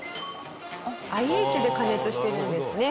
ＩＨで加熱してるんですね